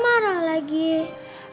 masa apa disini